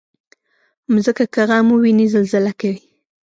مځکه که غم وویني، زلزله کوي.